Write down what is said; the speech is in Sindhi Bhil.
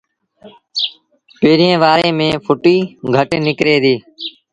پيريݩ وآري ميݩ ڦُٽيٚ گھٽ نڪري ديٚ